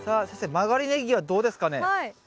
曲がりネギはどうですかね？